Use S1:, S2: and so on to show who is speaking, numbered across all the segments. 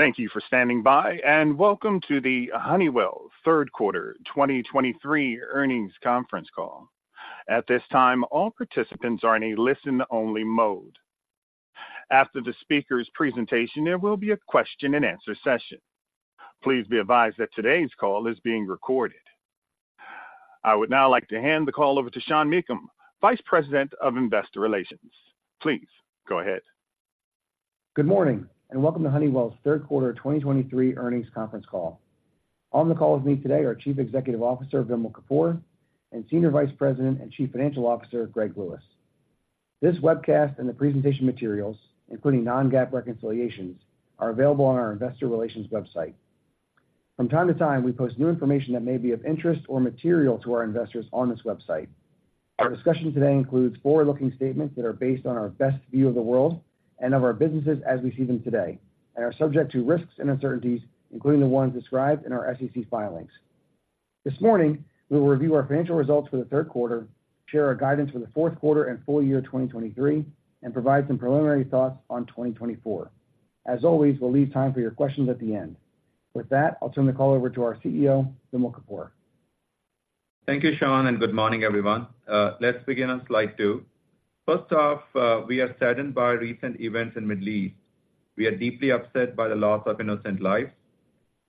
S1: Thank you for standing by, and welcome to the Honeywell third quarter 2023 earnings conference call. At this time, all participants are in a listen-only mode. After the speaker's presentation, there will be a question-and-answer session. Please be advised that today's call is being recorded. I would now like to hand the call over to Sean Meakim, Vice President of Investor Relations. Please, go ahead.
S2: Good morning, and welcome to Honeywell's third quarter 2023 earnings conference call. On the call with me today are Chief Executive Officer, Vimal Kapur, and Senior Vice President and Chief Financial Officer, Greg Lewis. This webcast and the presentation materials, including non-GAAP reconciliations, are available on our investor relations website. From time to time, we post new information that may be of interest or material to our investors on this website. Our discussion today includes forward-looking statements that are based on our best view of the world and of our businesses as we see them today, and are subject to risks and uncertainties, including the ones described in our SEC filings. This morning, we will review our financial results for the third quarter, share our guidance for the fourth quarter and full year 2023, and provide some preliminary thoughts on 2024. As always, we'll leave time for your questions at the end. With that, I'll turn the call over to our CEO, Vimal Kapur.
S3: Thank you, Sean, and good morning, everyone. Let's begin on slide two. First off, we are saddened by recent events in Middle East. We are deeply upset by the loss of innocent lives.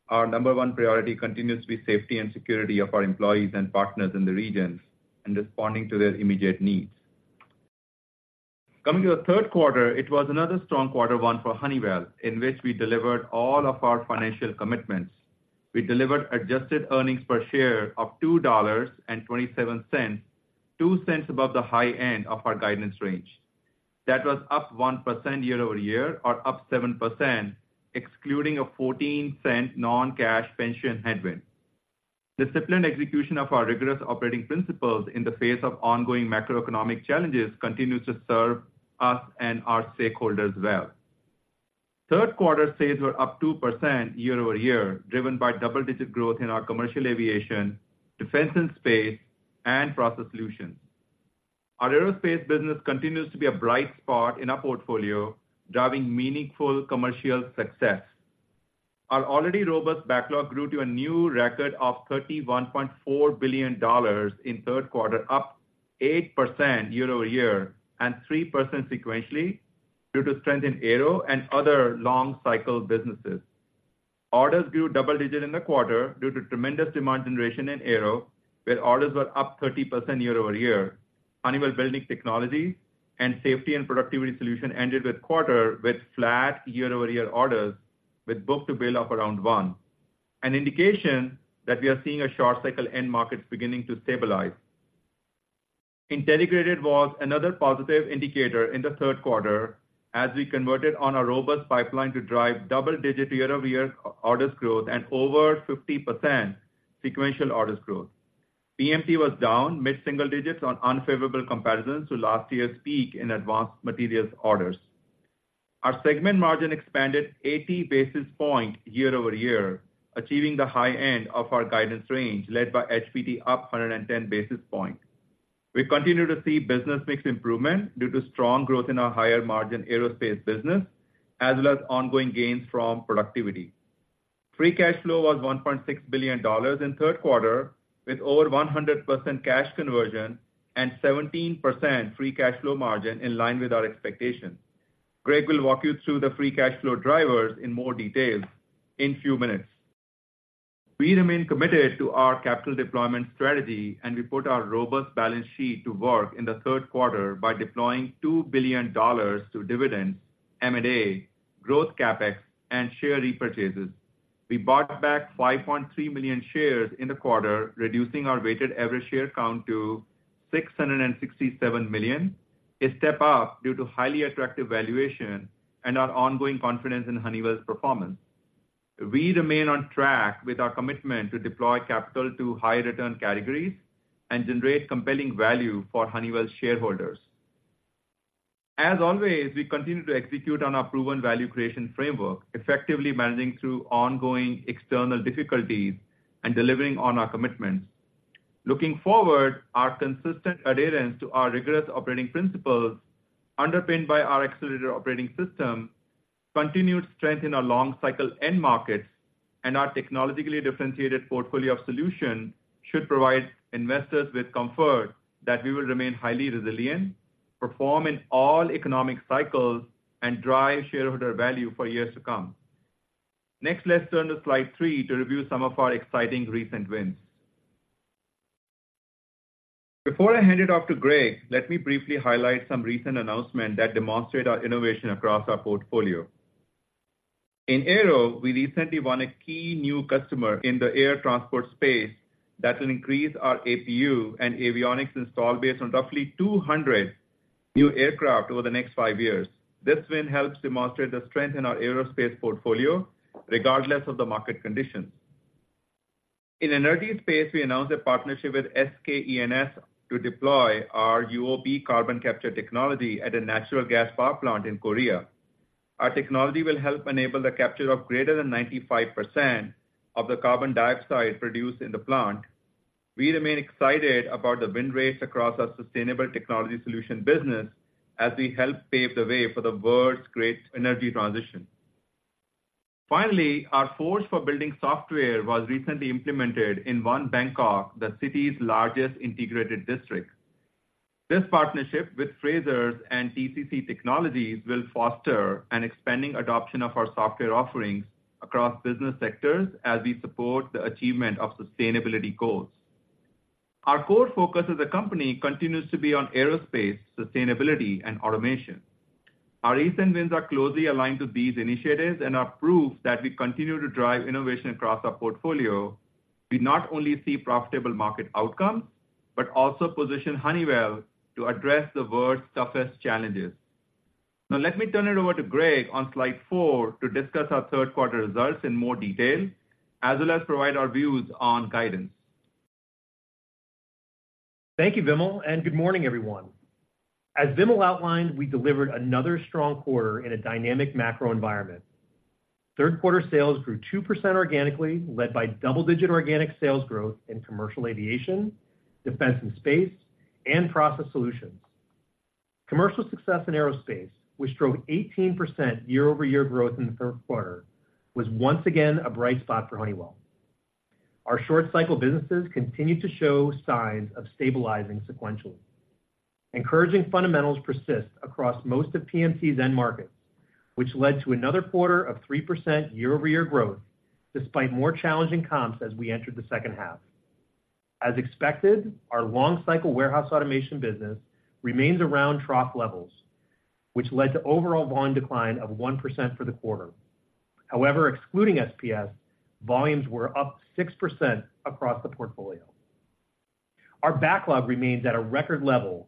S3: Our number one priority continues to be safety and security of our employees and partners in the regions, and responding to their immediate needs. Coming to the third quarter, it was another strong quarter one for Honeywell, in which we delivered all of our financial commitments. We delivered adjusted earnings per share of $2.27, $0.02 above the high end of our guidance range. That was up 1% year-over-year or up 7%, excluding a $0.14 non-cash pension headwind. Disciplined execution of our rigorous operating principles in the face of ongoing macroeconomic challenges continues to serve us and our stakeholders well. Third quarter sales were up 2% year-over-year, driven by double-digit growth in our Commercial Aviation, Defense and Space, and Process Solutions. Our Aerospace business continues to be a bright spot in our portfolio, driving meaningful commercial success. Our already robust backlog grew to a new record of $31.4 billion in third quarter, up 8% year-over-year, and 3% sequentially due to strength in Aero and other long-cycle businesses. Orders grew double-digit in the quarter due to tremendous demand generation in Aero, where orders were up 30% year-over-year. Honeywell Building Technologies and Safety and Productivity Solutions ended the quarter with flat year-over-year orders, with book-to-bill of around 1, an indication that we are seeing a short-cycle end markets beginning to stabilize. Intelligrated was another positive indicator in the third quarter, as we converted on a robust pipeline to drive double-digit year-over-year orders growth and over 50% sequential orders growth. PMT was down mid-single digits on unfavorable comparisons to last year's peak in advanced materials orders. Our segment margin expanded 80 basis points year-over-year, achieving the high end of our guidance range, led by HBT up 110 basis points. We continue to see business mix improvement due to strong growth in our higher margin aerospace business, as well as ongoing gains from productivity. Free cash flow was $1.6 billion in third quarter, with over 100% cash conversion and 17% free cash flow margin in line with our expectations. Greg will walk you through the free cash flow drivers in more details in few minutes. We remain committed to our capital deployment strategy, and we put our robust balance sheet to work in the third quarter by deploying $2 billion to dividends, M&A, growth CapEx, and share repurchases. We bought back 5.3 million shares in the quarter, reducing our weighted average share count to 667 million, a step up due to highly attractive valuation and our ongoing confidence in Honeywell's performance. We remain on track with our commitment to deploy capital to high return categories and generate compelling value for Honeywell's shareholders. As always, we continue to execute on our proven value creation framework, effectively managing through ongoing external difficulties and delivering on our commitments. Looking forward, our consistent adherence to our rigorous operating principles, underpinned by our accelerated operating system, continued strength in our long cycle end markets, and our technologically differentiated portfolio of solution, should provide investors with comfort that we will remain highly resilient, perform in all economic cycles, and drive shareholder value for years to come. Next, let's turn to slide three to review some of our exciting recent wins. Before I hand it off to Greg, let me briefly highlight some recent announcements that demonstrate our innovation across our portfolio. In Aero, we recently won a key new customer in the air transport space that will increase our APU and avionics install base on roughly 200 new aircraft over the next five years. This win helps demonstrate the strength in our aerospace portfolio, regardless of the market conditions. In energy space, we announced a partnership with SK E&S to deploy our UOP carbon capture technology at a natural gas power plant in Korea. Our technology will help enable the capture of greater than 95% of the carbon dioxide produced in the plant. We remain excited about the win rates across our sustainable technology solution business as we help pave the way for the world's great energy transition. Finally, our Forge for building software was recently implemented in One Bangkok, the city's largest integrated district. This partnership with Frasers and TCC Technologies will foster an expanding adoption of our software offerings across business sectors as we support the achievement of sustainability goals. Our core focus as a company continues to be on aerospace, sustainability, and automation. Our recent wins are closely aligned to these initiatives and are proof that we continue to drive innovation across our portfolio. We not only see profitable market outcomes, but also position Honeywell to address the world's toughest challenges. Now, let me turn it over to Greg on slide four, to discuss our third quarter results in more detail, as well as provide our views on guidance.
S4: Thank you, Vimal, and good morning, everyone. As Vimal outlined, we delivered another strong quarter in a dynamic macro environment. Third quarter sales grew 2% organically, led by double-digit organic sales growth in commercial aviation, defense and space, and process solutions. Commercial success in aerospace, which drove 18% year-over-year growth in the third quarter, was once again a bright spot for Honeywell. Our short cycle businesses continued to show signs of stabilizing sequentially. Encouraging fundamentals persist across most of PMT's end markets, which led to another quarter of 3% year-over-year growth, despite more challenging comps as we entered the second half. As expected, our long cycle warehouse automation business remains around trough levels, which led to overall volume decline of 1% for the quarter. However, excluding SPS, volumes were up 6% across the portfolio. Our backlog remains at a record level,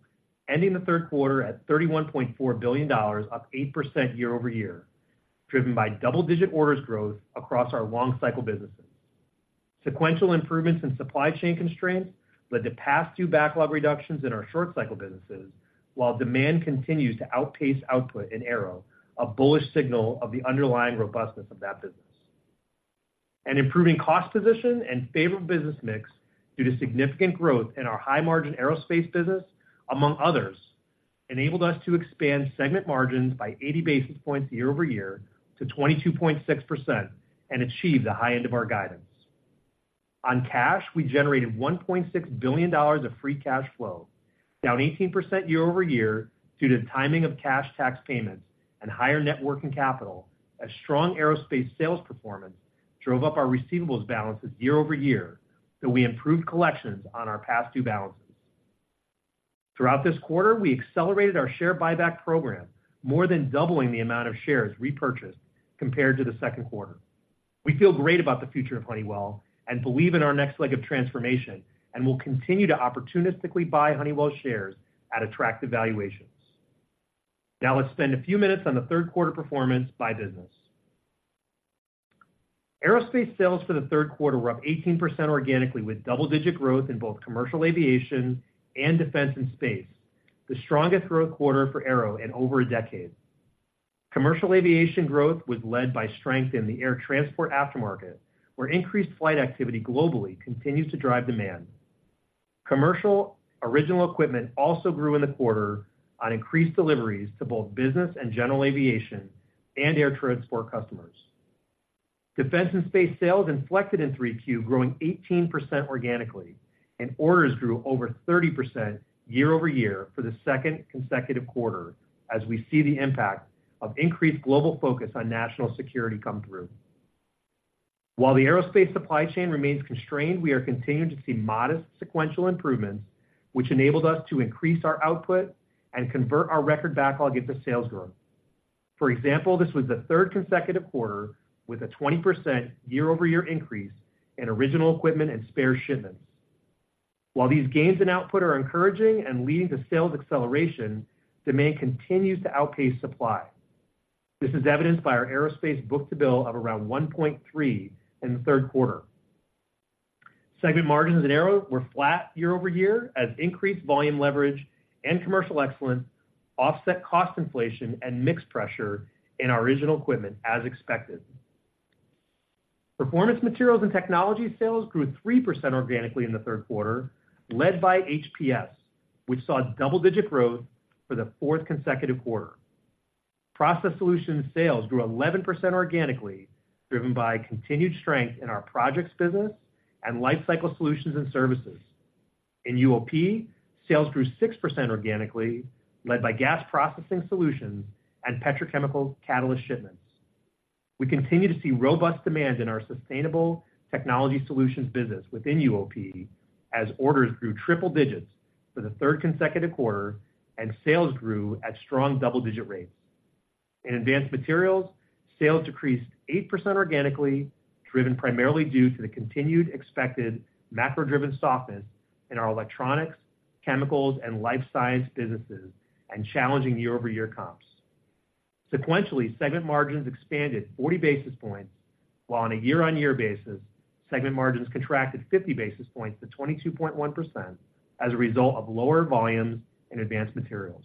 S4: ending the third quarter at $31.4 billion, up 8% year-over-year, driven by double-digit orders growth across our long cycle businesses. Sequential improvements in supply chain constraints led to past due backlog reductions in our short cycle businesses, while demand continues to outpace output in Aero, a bullish signal of the underlying robustness of that business. An improving cost position and favorable business mix, due to significant growth in our high-margin aerospace business, among others, enabled us to expand segment margins by 80 basis points year-over-year to 22.6% and achieve the high end of our guidance. On cash, we generated $1.6 billion of free cash flow, down 18% year-over-year, due to the timing of cash tax payments and higher net working capital, as strong aerospace sales performance drove up our receivables balances year-over-year, though we improved collections on our past due balances. Throughout this quarter, we accelerated our share buyback program, more than doubling the amount of shares repurchased compared to the second quarter. We feel great about the future of Honeywell and believe in our next leg of transformation, and we'll continue to opportunistically buy Honeywell shares at attractive valuations. Now let's spend a few minutes on the third quarter performance by business. Aerospace sales for the third quarter were up 18% organically, with double-digit growth in both commercial aviation and defense and space, the strongest growth quarter for Aero in over a decade. Commercial aviation growth was led by strength in the air transport aftermarket, where increased flight activity globally continues to drive demand. Commercial original equipment also grew in the quarter on increased deliveries to both business and general aviation and air transport customers. Defense and space sales inflected in 3Q, growing 18% organically, and orders grew over 30% year-over-year for the second consecutive quarter, as we see the impact of increased global focus on national security come through. While the aerospace supply chain remains constrained, we are continuing to see modest sequential improvements, which enabled us to increase our output and convert our record backlog into sales growth. For example, this was the third consecutive quarter with a 20% year-over-year increase in original equipment and spare shipments. While these gains in output are encouraging and leading to sales acceleration, demand continues to outpace supply. This is evidenced by our aerospace book-to-bill of around 1.3 in the third quarter. Segment margins in Aero were flat year-over-year, as increased volume leverage and commercial excellence offset cost inflation and mix pressure in our original equipment, as expected. Performance Materials and Technologies sales grew 3% organically in the third quarter, led by HPS, which saw double-digit growth for the fourth consecutive quarter. Process solutions sales grew 11% organically, driven by continued strength in our projects business and lifecycle solutions and services. In UOP, sales grew 6% organically, led by gas processing solutions and petrochemical catalyst shipments. We continue to see robust demand in our Sustainable Technology Solutions business within UOP, as orders grew triple digits for the third consecutive quarter, and sales grew at strong double-digit rates. In advanced materials, sales decreased 8% organically, driven primarily due to the continued expected macro-driven softness in our electronics, chemicals, and life science businesses, and challenging year-over-year comps. Sequentially, segment margins expanded 40 basis points, while on a year-over-year basis, segment margins contracted 50 basis points to 22.1% as a result of lower volumes in advanced materials.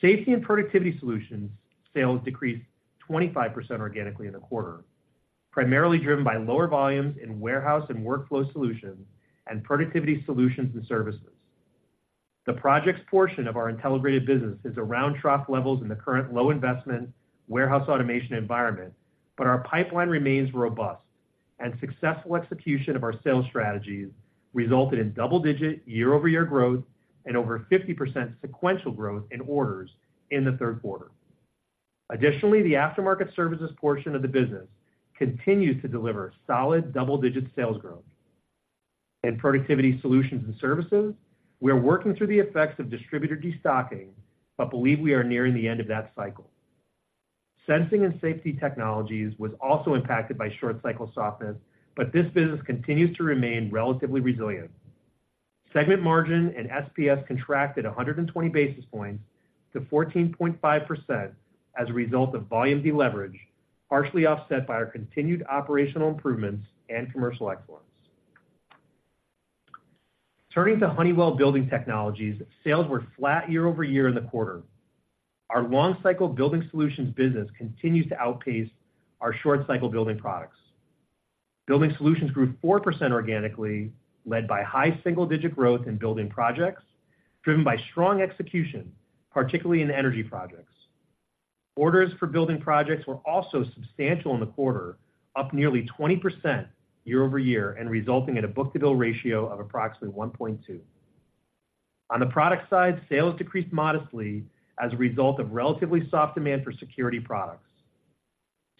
S4: Safety and Productivity Solutions sales decreased 25% organically in the quarter, primarily driven by lower volumes in warehouse and workflow solutions, and productivity solutions and services. The projects portion of our integrated business is around trough levels in the current low investment warehouse automation environment, but our pipeline remains robust, and successful execution of our sales strategies resulted in double-digit year-over-year growth and over 50% sequential growth in orders in the third quarter. Additionally, the aftermarket services portion of the business continues to deliver solid double-digit sales growth. In productivity solutions and services, we are working through the effects of distributor destocking, but believe we are nearing the end of that cycle. Sensing and Safety Technologies was also impacted by short cycle softness, but this business continues to remain relatively resilient. Segment margin and SPS contracted 100 basis points to 14.5% as a result of volume deleverage, partially offset by our continued operational improvements and commercial excellence. Turning to Honeywell Building Technologies, sales were flat year-over-year in the quarter. Our long cycle building solutions business continues to outpace our short cycle building products. Building Solutions grew 4% organically, led by high single-digit growth in building projects, driven by strong execution, particularly in energy projects. Orders for building projects were also substantial in the quarter, up nearly 20% year-over-year, and resulting in a book-to-bill ratio of approximately 1.2. On the product side, sales decreased modestly as a result of relatively soft demand for security products.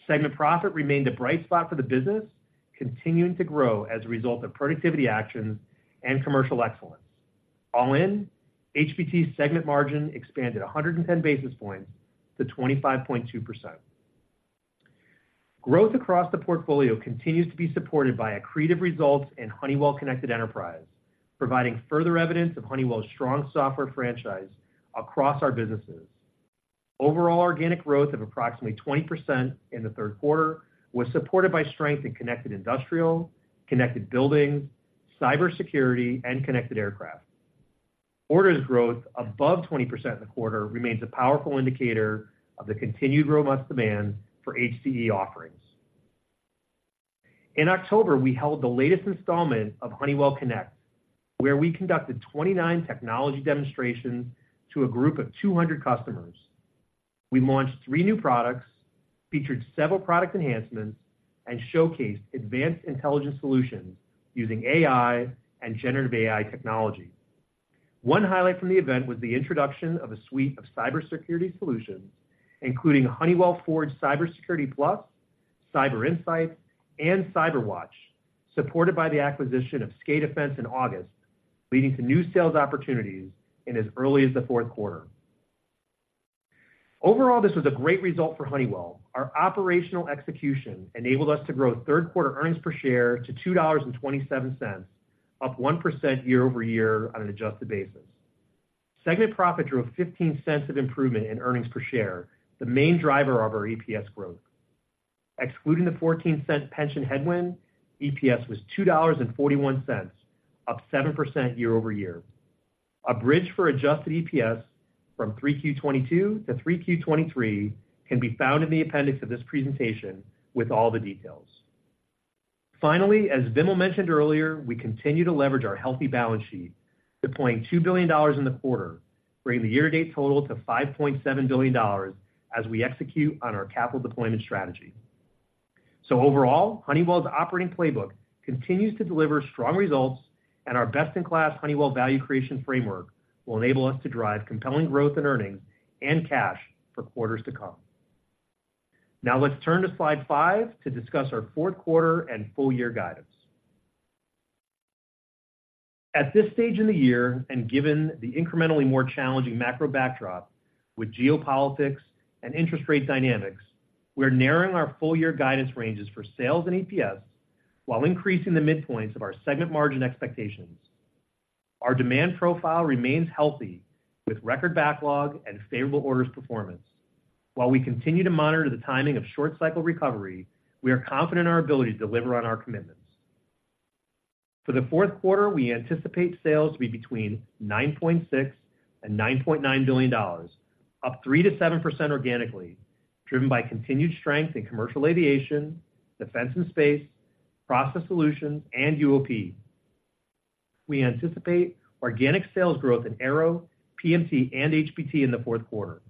S4: Segment profit remained a bright spot for the business, continuing to grow as a result of productivity actions and commercial excellence. All in, HBT's segment margin expanded 110 basis points to 25.2%. Growth across the portfolio continues to be supported by accretive results in Honeywell Connected Enterprise, providing further evidence of Honeywell's strong software franchise across our businesses. Overall organic growth of approximately 20% in the third quarter was supported by strength in connected industrial, connected buildings, cybersecurity, and connected aircraft. Orders growth above 20% in the quarter remains a powerful indicator of the continued robust demand for HCE offerings. In October, we held the latest installment of Honeywell Connect, where we conducted 29 technology demonstrations to a group of 200 customers. We launched 3 new products, featured several product enhancements, and showcased advanced intelligent solutions using AI and generative AI technology. One highlight from the event was the introduction of a suite of cybersecurity solutions, including Honeywell Forge Cybersecurity+, Cyber Insights, and Cyber Watch, supported by the acquisition of SCADAfence in August, leading to new sales opportunities in as early as the fourth quarter. Overall, this was a great result for Honeywell. Our operational execution enabled us to grow third quarter earnings per share to $2.27, up 1% year-over-year on an adjusted basis. Segment profit drove $0.15 of improvement in earnings per share, the main driver of our EPS growth. Excluding the $0.14 pension headwind, EPS was $2.41, up 7% year-over-year. A bridge for adjusted EPS from Q3 2022 to Q3 2023 can be found in the appendix of this presentation with all the details. Finally, as Vimal mentioned earlier, we continue to leverage our healthy balance sheet, deploying $2 billion in the quarter, bringing the year-to-date total to $5.7 billion as we execute on our capital deployment strategy. So overall, Honeywell's operating playbook continues to deliver strong results, and our best-in-class Honeywell Value Creation framework will enable us to drive compelling growth in earnings and cash for quarters to come. Now let's turn to slide five to discuss our fourth quarter and full year guidance. At this stage in the year, and given the incrementally more challenging macro backdrop with geopolitics and interest rate dynamics, we are narrowing our full year guidance ranges for sales and EPS, while increasing the midpoints of our segment margin expectations. Our demand profile remains healthy, with record backlog and favorable orders performance. While we continue to monitor the timing of short cycle recovery, we are confident in our ability to deliver on our commitments. For the fourth quarter, we anticipate sales to be between $9.6 billion and $9.9 billion, up 3%-7% organically, driven by continued strength in Commercial Aviation, Defense and Space, Process Solutions, and UOP. We anticipate organic sales growth in Aero, PMC, and HPT in the fourth quarter.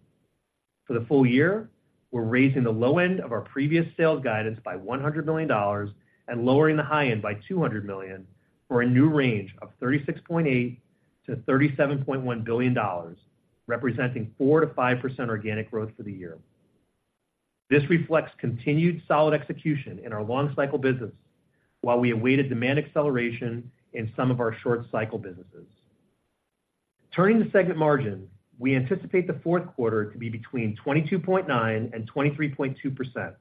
S4: For the full year, we're raising the low end of our previous sales guidance by $100 million and lowering the high end by $200 million, for a new range of $36.8 billion-$37.1 billion, representing 4%-5% organic growth for the year. This reflects continued solid execution in our long cycle business, while we awaited demand acceleration in some of our short cycle businesses. Turning to segment margin, we anticipate the fourth quarter to be between 22.9%-23.2%,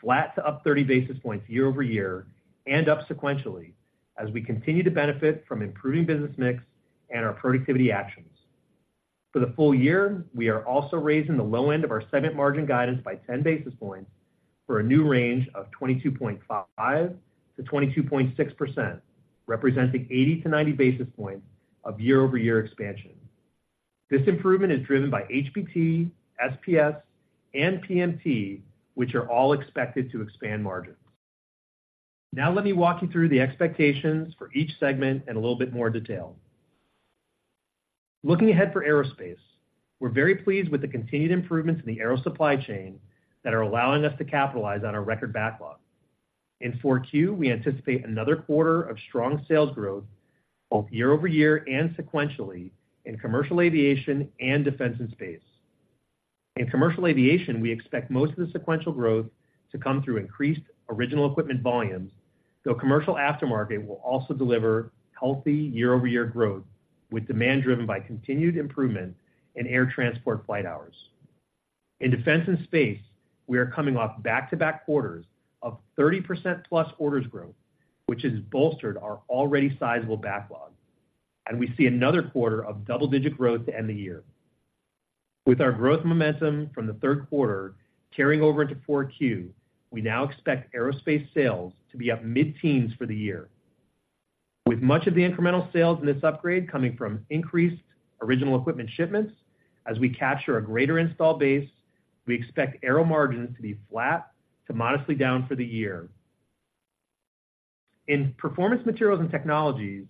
S4: flat to up 30 basis points year-over-year and up sequentially, as we continue to benefit from improving business mix and our productivity actions. For the full year, we are also raising the low end of our segment margin guidance by 10 basis points. for a new range of 22.5%-22.6%, representing 80-90 basis points of year-over-year expansion. This improvement is driven by HBT, SPS, and PMT, which are all expected to expand margins. Now let me walk you through the expectations for each segment in a little bit more detail. Looking ahead for Aerospace, we're very pleased with the continued improvements in the aero supply chain that are allowing us to capitalize on our record backlog. In 4Q, we anticipate another quarter of strong sales growth, both year-over-year and sequentially, in commercial aviation and defense and space. In commercial aviation, we expect most of the sequential growth to come through increased original equipment volumes, though commercial aftermarket will also deliver healthy year-over-year growth, with demand driven by continued improvement in air transport flight hours. In defense and space, we are coming off back-to-back quarters of 30%+ orders growth, which has bolstered our already sizable backlog, and we see another quarter of double-digit growth to end the year. With our growth momentum from the third quarter carrying over into Q4, we now expect aerospace sales to be up mid-teens for the year. With much of the incremental sales in this upgrade coming from increased original equipment shipments, as we capture a greater installed base, we expect aero margins to be flat to modestly down for the year. In Performance Materials and Technologies,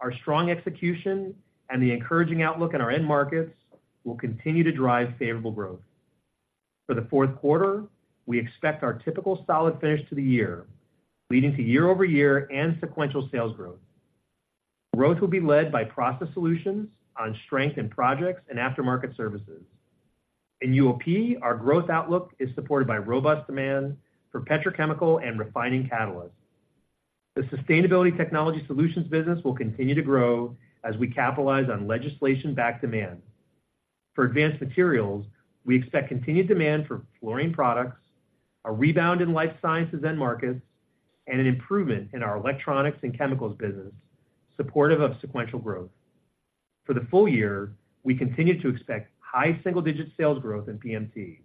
S4: our strong execution and the encouraging outlook in our end markets will continue to drive favorable growth. For the fourth quarter, we expect our typical solid finish to the year, leading to year-over-year and sequential sales growth. Growth will be led by process solutions on strength in projects and aftermarket services. In UOP, our growth outlook is supported by robust demand for petrochemical and refining catalysts. The Sustainability Technology Solutions business will continue to grow as we capitalize on legislation-backed demand. For advanced materials, we expect continued demand for fluorine products, a rebound in life sciences end markets, and an improvement in our electronics and chemicals business, supportive of sequential growth. For the full year, we continue to expect high single-digit sales growth in PMT.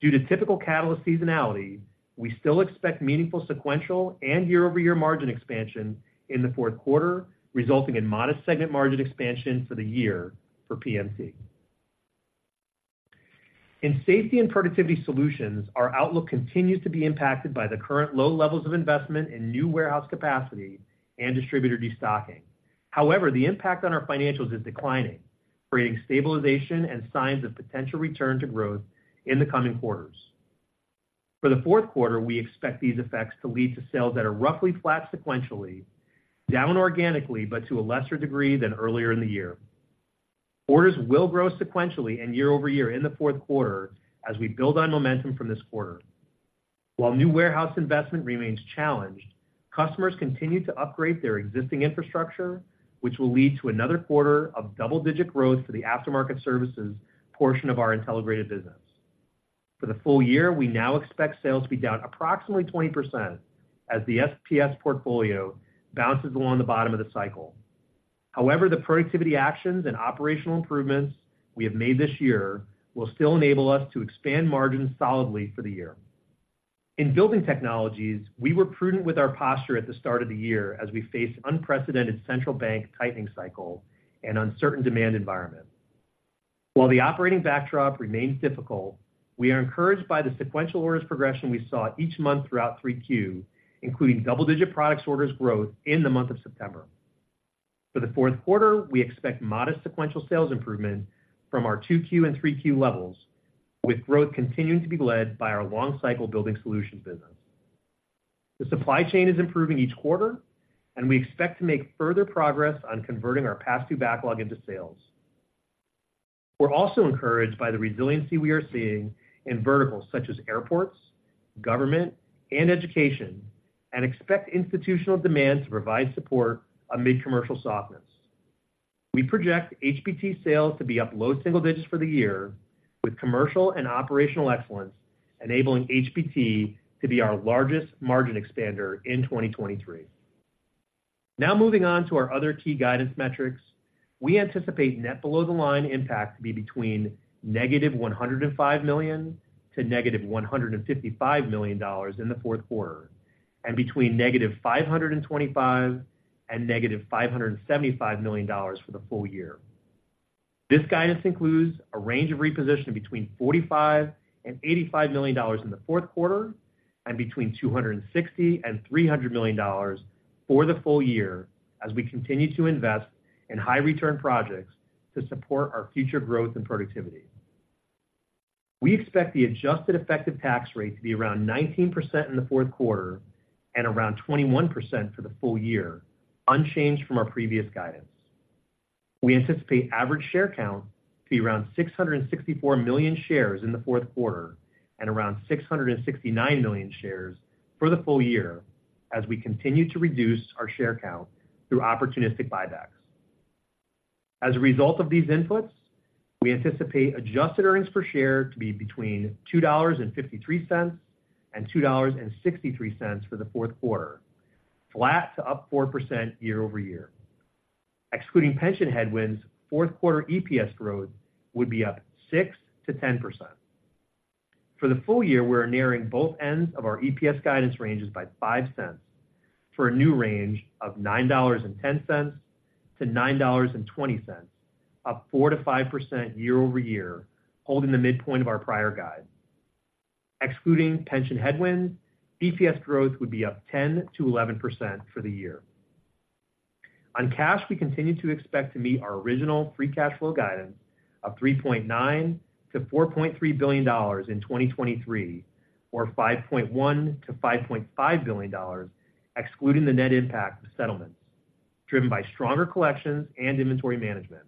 S4: Due to typical catalyst seasonality, we still expect meaningful sequential and year-over-year margin expansion in the fourth quarter, resulting in modest segment margin expansion for the year for PMT. In Safety and Productivity Solutions, our outlook continues to be impacted by the current low levels of investment in new warehouse capacity and distributor destocking. However, the impact on our financials is declining, creating stabilization and signs of potential return to growth in the coming quarters. For the fourth quarter, we expect these effects to lead to sales that are roughly flat sequentially, down organically, but to a lesser degree than earlier in the year. Orders will grow sequentially and year over year in the fourth quarter as we build on momentum from this quarter. While new warehouse investment remains challenged, customers continue to upgrade their existing infrastructure, which will lead to another quarter of double-digit growth for the aftermarket services portion of our Intelligrated business. For the full year, we now expect sales to be down approximately 20%, as the SPS portfolio bounces along the bottom of the cycle. However, the productivity actions and operational improvements we have made this year will still enable us to expand margins solidly for the year. In Building Technologies, we were prudent with our posture at the start of the year as we faced unprecedented central bank tightening cycle and uncertain demand environment. While the operating backdrop remains difficult, we are encouraged by the sequential orders progression we saw each month throughout 3Q, including double-digit products orders growth in the month of September. For the fourth quarter, we expect modest sequential sales improvement from our 2Q and 3Q levels, with growth continuing to be led by our long cycle building solutions business. The supply chain is improving each quarter, and we expect to make further progress on converting our past due backlog into sales. We're also encouraged by the resiliency we are seeing in verticals such as airports, government, and education, and expect institutional demand to provide support amid commercial softness. We project HPT sales to be up low single digits for the year, with commercial and operational excellence enabling HPT to be our largest margin expander in 2023. Now moving on to our other key guidance metrics. We anticipate net below-the-line impact to be between -$105 million and -$155 million in the fourth quarter, and between -$525 million and -$575 million for the full year. This guidance includes a range of repositioning between $45 million and $85 million in the fourth quarter and between $260 million and $300 million for the full year, as we continue to invest in high return projects to support our future growth and productivity. We expect the adjusted effective tax rate to be around 19% in the fourth quarter and around 21% for the full year, unchanged from our previous guidance. We anticipate average share count to be around 664 million shares in the fourth quarter and around 669 million shares for the full year, as we continue to reduce our share count through opportunistic buybacks. As a result of these inputs, we anticipate adjusted earnings per share to be between $2.53 and $2.63 for the fourth quarter, flat to up 4% year-over-year.... excluding pension headwinds, fourth quarter EPS growth would be up 6%-10%. For the full year, we are narrowing both ends of our EPS guidance ranges by $0.05, for a new range of $9.10-$9.20, up 4%-5% year-over-year, holding the midpoint of our prior guide. Excluding pension headwinds, EPS growth would be up 10%-11% for the year. On cash, we continue to expect to meet our original free cash flow guidance of $3.9 billion-$4.3 billion in 2023, or $5.1 billion-$5.5 billion, excluding the net impact of settlements, driven by stronger collections and inventory management.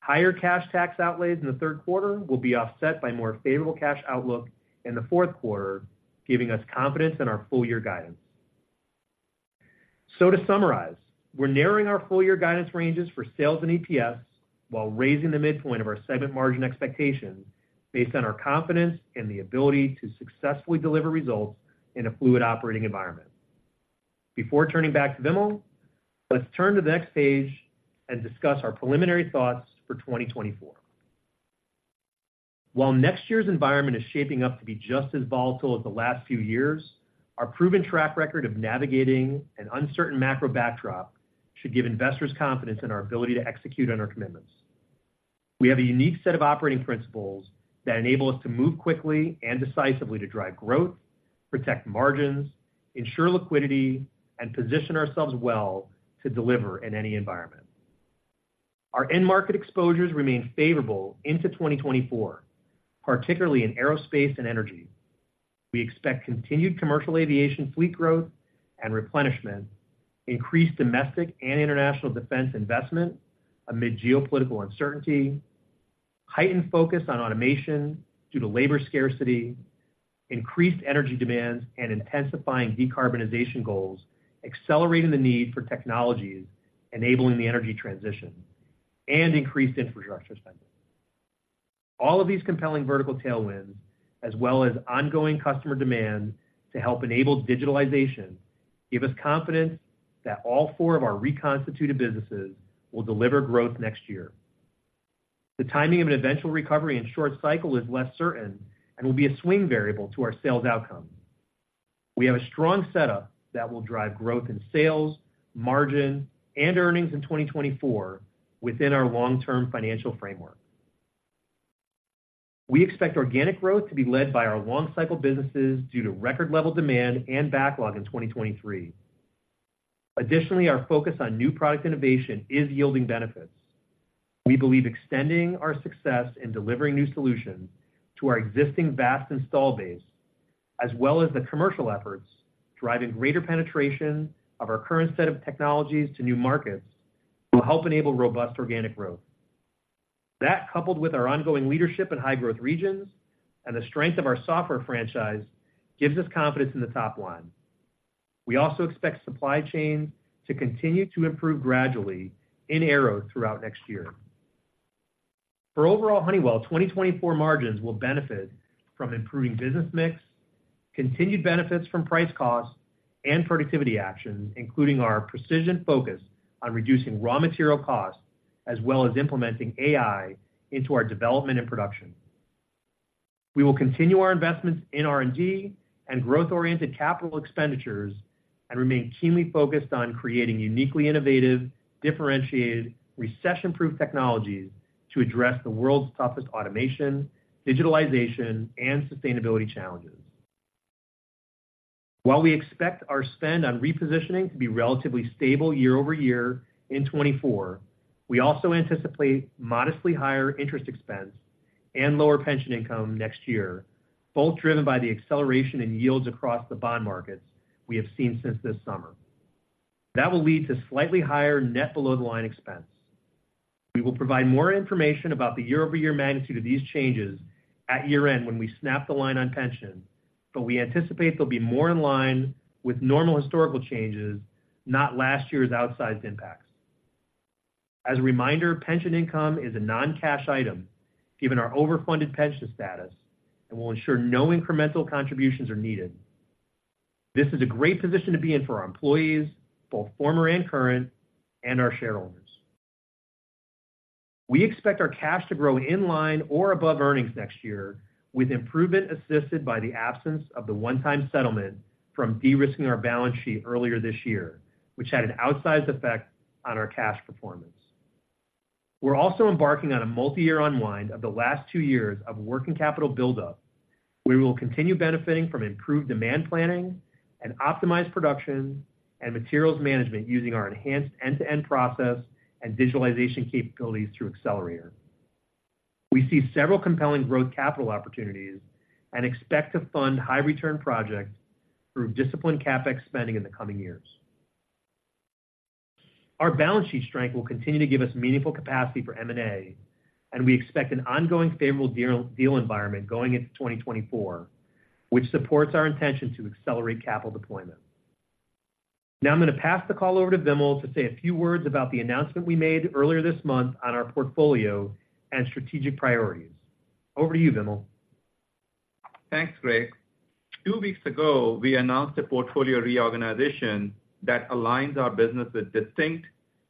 S4: Higher cash tax outlays in the third quarter will be offset by more favorable cash outlook in the fourth quarter, giving us confidence in our full year guidance. So to summarize, we're narrowing our full year guidance ranges for sales and EPS while raising the midpoint of our segment margin expectations based on our confidence in the ability to successfully deliver results in a fluid operating environment. Before turning back to Vimal, let's turn to the next page and discuss our preliminary thoughts for 2024. While next year's environment is shaping up to be just as volatile as the last few years, our proven track record of navigating an uncertain macro backdrop should give investors confidence in our ability to execute on our commitments. We have a unique set of operating principles that enable us to move quickly and decisively to drive growth, protect margins, ensure liquidity, and position ourselves well to deliver in any environment. Our end market exposures remain favorable into 2024, particularly in aerospace and energy. We expect continued commercial aviation fleet growth and replenishment, increased domestic and international defense investment amid geopolitical uncertainty, heightened focus on automation due to labor scarcity, increased energy demands, and intensifying decarbonization goals, accelerating the need for technologies, enabling the energy transition and increased infrastructure spending. All of these compelling vertical tailwinds, as well as ongoing customer demand to help enable digitalization, give us confidence that all four of our reconstituted businesses will deliver growth next year. The timing of an eventual recovery in short cycle is less certain and will be a swing variable to our sales outcome. We have a strong setup that will drive growth in sales, margin, and earnings in 2024 within our long-term financial framework. We expect organic growth to be led by our long cycle businesses due to record level demand and backlog in 2023. Additionally, our focus on new product innovation is yielding benefits. We believe extending our success in delivering new solutions to our existing vast install base, as well as the commercial efforts, driving greater penetration of our current set of technologies to new markets, will help enable robust organic growth. That, coupled with our ongoing leadership in high growth regions and the strength of our software franchise, gives us confidence in the top line. We also expect supply chains to continue to improve gradually in Aero throughout next year. For overall Honeywell, 2024 margins will benefit from improving business mix, continued benefits from price costs, and productivity actions, including our precision focus on reducing raw material costs, as well as implementing AI into our development and production. We will continue our investments in R&D and growth-oriented capital expenditures, and remain keenly focused on creating uniquely innovative, differentiated, recession-proof technologies to address the world's toughest automation, digitalization, and sustainability challenges. While we expect our spend on repositioning to be relatively stable year-over-year in 2024, we also anticipate modestly higher interest expense and lower pension income next year, both driven by the acceleration in yields across the bond markets we have seen since this summer. That will lead to slightly higher net below-the-line expense. We will provide more information about the year-over-year magnitude of these changes at year-end when we snap the line on pension, but we anticipate they'll be more in line with normal historical changes, not last year's outsized impacts. As a reminder, pension income is a non-cash item, given our overfunded pension status, and will ensure no incremental contributions are needed. This is a great position to be in for our employees, both former and current, and our shareholders. We expect our cash to grow in line or above earnings next year, with improvement assisted by the absence of the one-time settlement from de-risking our balance sheet earlier this year, which had an outsized effect on our cash performance. We're also embarking on a multi-year unwind of the last two years of working capital buildup. We will continue benefiting from improved demand planning and optimized production and materials management using our enhanced end-to-end process and visualization capabilities through Accelerator. We see several compelling growth capital opportunities and expect to fund high return projects through disciplined CapEx spending in the coming years. Our balance sheet strength will continue to give us meaningful capacity for M&A, and we expect an ongoing favorable deal environment going into 2024, which supports our intention to accelerate capital deployment. Now, I'm going to pass the call over to Vimal to say a few words about the announcement we made earlier this month on our portfolio and strategic priorities. Over to you, Vimal....
S3: Thanks, Greg. Two weeks ago, we announced a portfolio reorganization that aligns our business with distinct,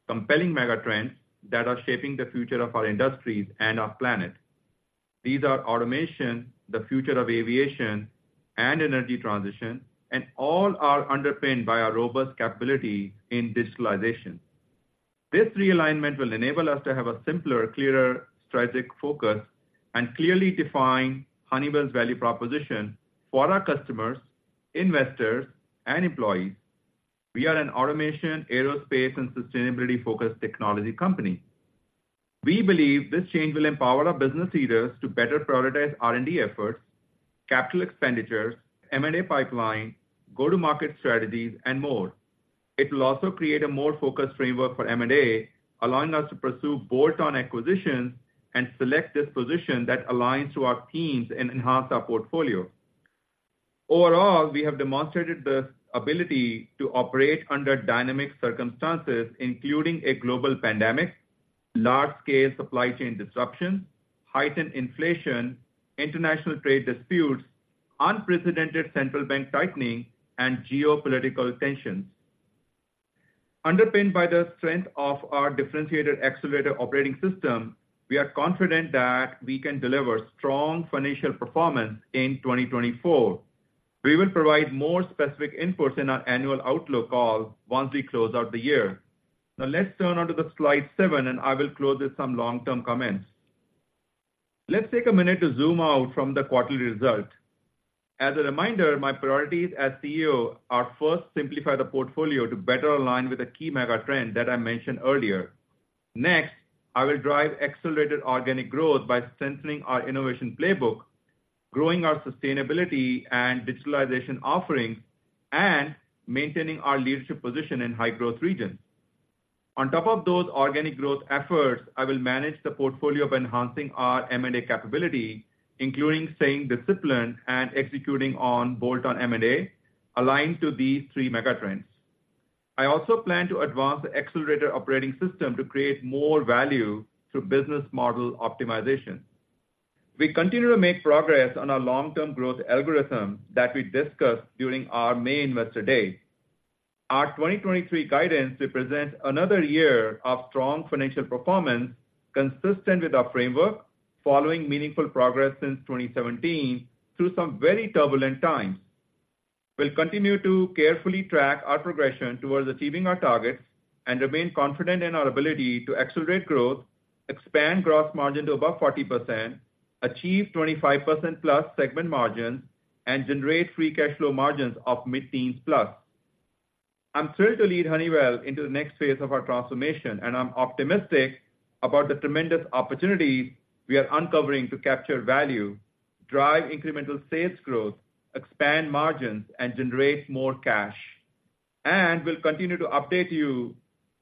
S3: compelling megatrends that are shaping the future of our industries and our planet. These are automation, the future of aviation, and energy transition, and all are underpinned by our robust capability in digitalization. This realignment will enable us to have a simpler, clearer strategic focus and clearly define Honeywell's value proposition for our customers, investors, and employees. We are an automation, aerospace, and sustainability-focused technology company. We believe this change will empower our business leaders to better prioritize R&D efforts, capital expenditures, M&A pipeline, go-to-market strategies, and more. It will also create a more focused framework for M&A, allowing us to pursue bolt-on acquisitions and select this position that aligns to our teams and enhance our portfolio. Overall, we have demonstrated the ability to operate under dynamic circumstances, including a global pandemic, large-scale supply chain disruptions, heightened inflation, international trade disputes, unprecedented central bank tightening, and geopolitical tensions. Underpinned by the strength of our differentiated Accelerator operating system, we are confident that we can deliver strong financial performance in 2024. We will provide more specific inputs in our annual outlook call once we close out the year. Now let's turn onto slide seven, and I will close with some long-term comments. Let's take a minute to zoom out from the quarterly result. As a reminder, my priorities as CEO are, first, simplify the portfolio to better align with the key mega trend that I mentioned earlier. Next, I will drive accelerated organic growth by centering our innovation playbook, growing our sustainability and digitalization offerings, and maintaining our leadership position in high-growth regions. On top of those organic growth efforts, I will manage the portfolio of enhancing our M&A capability, including staying disciplined and executing on bolt-on M&A, aligned to these three megatrends. I also plan to advance the Accelerator operating system to create more value through business model optimization. We continue to make progress on our long-term growth algorithm that we discussed during our main Investor Day. Our 2023 guidance represents another year of strong financial performance, consistent with our framework, following meaningful progress since 2017, through some very turbulent times. We'll continue to carefully track our progression towards achieving our targets and remain confident in our ability to accelerate growth, expand gross margin to above 40%, achieve 25%+ segment margins, and generate free cash flow margins of mid-teens+. I'm thrilled to lead Honeywell into the next phase of our transformation, and I'm optimistic about the tremendous opportunities we are uncovering to capture value, drive incremental sales growth, expand margins, and generate more cash. We'll continue to update you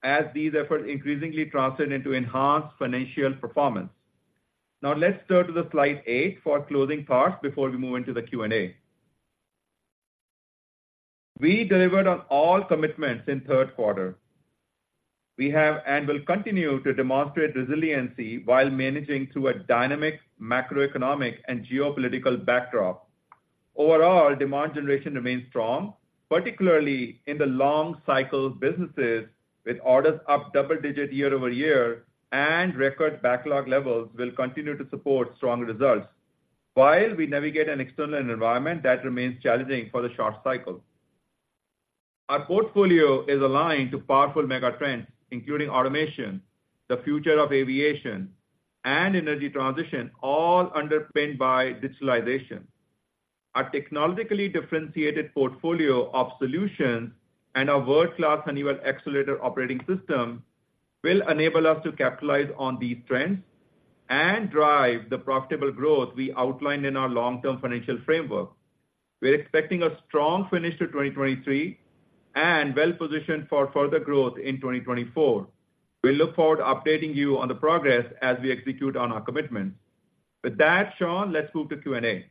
S3: as these efforts increasingly translate into enhanced financial performance. Now, let's turn to the slide eight for closing thoughts before we move into the Q&A. We delivered on all commitments in third quarter. We have and will continue to demonstrate resiliency while managing through a dynamic macroeconomic and geopolitical backdrop. Overall, demand generation remains strong, particularly in the long cycle businesses, with orders up double-digit year-over-year, and record backlog levels will continue to support strong results, while we navigate an external environment that remains challenging for the short cycle. Our portfolio is aligned to powerful megatrends, including automation, the future of aviation, and energy transition, all underpinned by digitalization. Our technologically differentiated portfolio of solutions and our world-class Honeywell Accelerator operating system will enable us to capitalize on these trends and drive the profitable growth we outlined in our long-term financial framework. We're expecting a strong finish to 2023, and well positioned for further growth in 2024. We look forward to updating you on the progress as we execute on our commitments. With that, Sean, let's move to Q&A.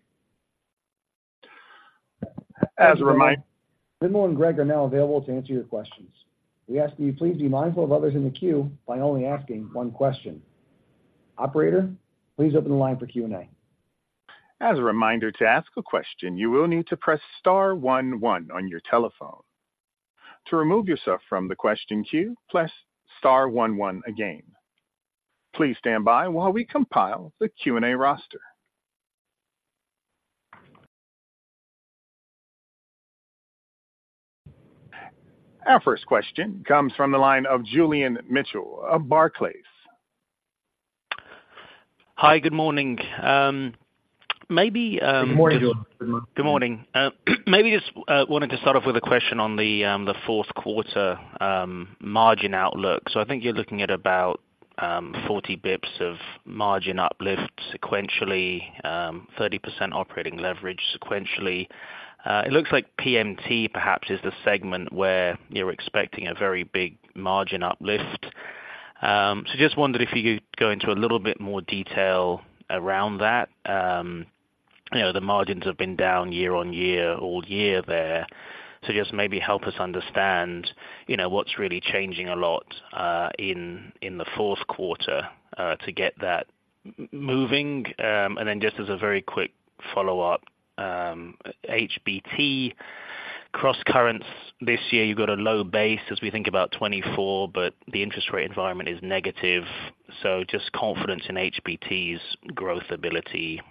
S1: As a remind-
S2: Vimal and Greg are now available to answer your questions. We ask that you please be mindful of others in the queue by only asking one question. Operator, please open the line for Q&A.
S1: As a reminder, to ask a question, you will need to press star one one on your telephone. To remove yourself from the question queue, press star one one again. Please stand by while we compile the Q&A roster. Our first question comes from the line of Julian Mitchell of Barclays.
S5: Hi, good morning.
S3: Good morning, Julian.
S6: Good morning. Maybe just wanted to start off with a question on the fourth quarter margin outlook. So I think you're looking at about 40 bps of margin uplift sequentially, 30% operating leverage sequentially. It looks like PMT perhaps is the segment where you're expecting a very big margin uplift. So just wondered if you could go into a little bit more detail around that. You know, the margins have been down year-on-year, all year there. So just maybe help us understand, you know, what's really changing a lot in the fourth quarter to get that moving. Just as a very quick follow-up, HBT crosscurrents this year, you've got a low base as we think about 2024, but the interest rate environment is negative, so just confidence in HBT's growth ability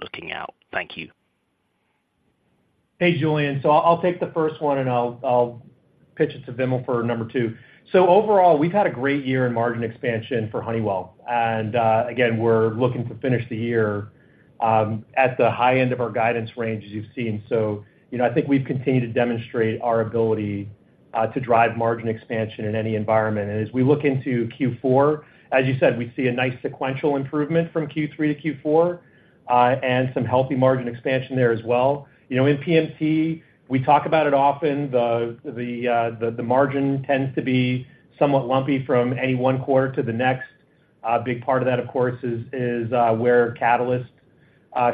S6: looking out. Thank you.
S4: Hey, Julian. So I'll take the first one, and I'll pitch it to Vimal for number two. So overall, we've had a great year in margin expansion for Honeywell, and again, we're looking to finish the year at the high end of our guidance range, as you've seen. So, you know, I think we've continued to demonstrate our ability to drive margin expansion in any environment. And as we look into Q4, as you said, we see a nice sequential improvement from Q3 to Q4, and some healthy margin expansion there as well. You know, in PMC, we talk about it often, the margin tends to be somewhat lumpy from any one quarter to the next. A big part of that, of course, is where catalyst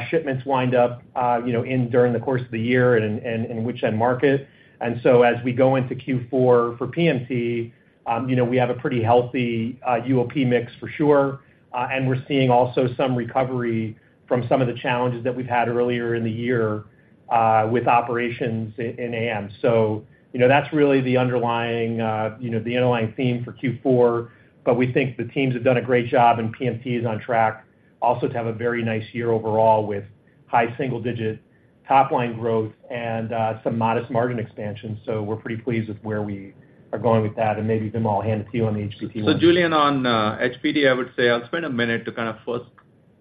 S4: shipments wind up, you know, during the course of the year and which end market. And so as we go into Q4 for PMC, you know, we have a pretty healthy UOP mix for sure, and we're seeing also some recovery from some of the challenges that we've had earlier in the year, with operations in AM. So, you know, that's really the underlying theme for Q4, but we think the teams have done a great job, and PMC is on track, also to have a very nice year overall, with high single-digit top-line growth and some modest margin expansion. So we're pretty pleased with where we are going with that, and maybe, Vimal, I'll hand it to you on the HPT one.
S3: So, Julian, on HBT, I would say I'll spend a minute to kind of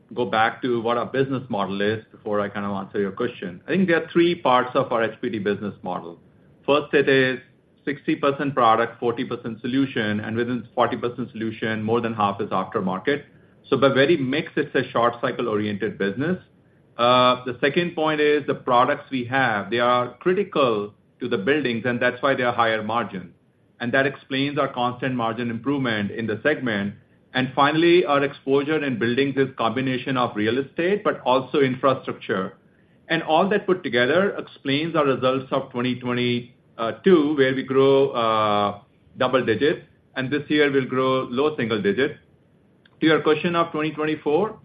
S3: first go back to what our business model is before I kind of answer your question. I think there are three parts of our HBT business model. First, it is 60% product, 40% solution, and within 40% solution, more than half is aftermarket. So by very mix, it's a short cycle-oriented business. The second point is the products we have, they are critical to the buildings, and that's why they are higher margin. And that explains our constant margin improvement in the segment. And finally, our exposure in building this combination of real estate, but also infrastructure. And all that put together explains our results of 2022, where we grow double digits, and this year we'll grow low single digits. To your question of 2024,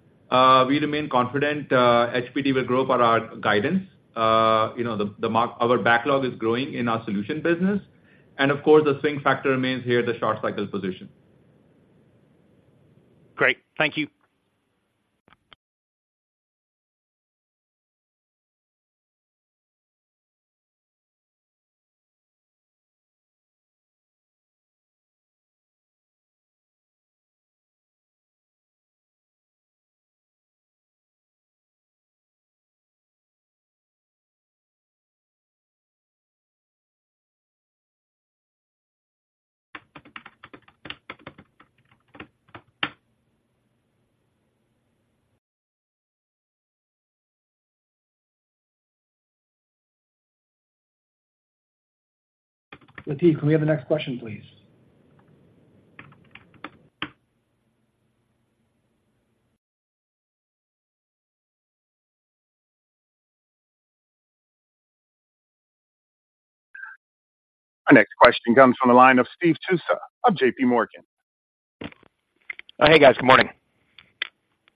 S3: we remain confident, HBT will grow per our guidance. You know, our backlog is growing in our solution business, and of course, the swing factor remains here, the short cycle position.
S6: Great. Thank you.
S2: Latif, can we have the next question, please?
S1: Our next question comes from the line of Steve Tusa of JPMorgan.
S7: Hey, guys, good morning.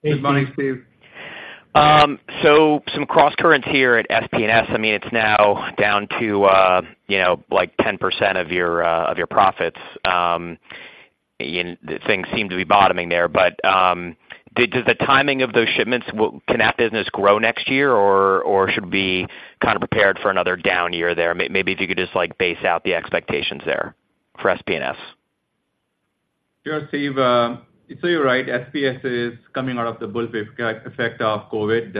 S4: Good morning, Steve.
S7: So some crosscurrents here at SPS. I mean, it's now down to, you know, like, 10% of your, of your profits. And things seem to be bottoming there, but, does the timing of those shipments, can that business grow next year, or, or should we be kind of prepared for another down year there? Maybe if you could just, like, base out the expectations there for SPS.
S3: Sure, Steve, so you're right, SPS is coming out of the bullwhip effect of COVID,